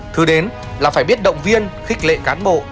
thứ đến là phải biết động viên khích lệ cán bộ